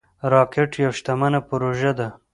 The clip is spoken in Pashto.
راکټ یوه شتمنه پروژه ده